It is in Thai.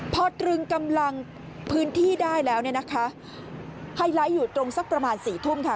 พอตรึงกำลังพื้นที่ได้แล้วเนี่ยนะคะไฮไลท์อยู่ตรงสักประมาณสี่ทุ่มค่ะ